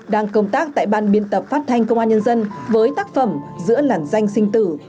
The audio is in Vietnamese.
đang công tác tại ban biên tập phát thanh công an nhân dân với tác phẩm giữa làn danh sinh tử